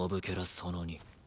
その２。